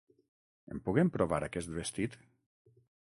Em puc emprovar aquest vestit?